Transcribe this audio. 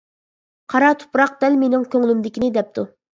قارا تۇپراق دەل مېنىڭ كۆڭلۈمدىكىنى دەپتۇ.